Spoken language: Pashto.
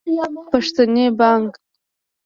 پښتني بانګ